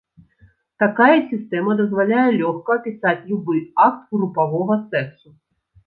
Такая сістэма дазваляе лёгка апісаць любы акт групавога сексу.